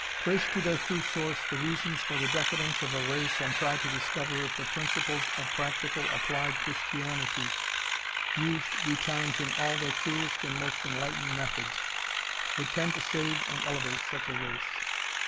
Trace to their true source the reasons for the decadence of a race and try to discover if the principles of practical, applied Christianity, used betimes in all their truest and most enlightened methods, would tend to save and elevate such a race.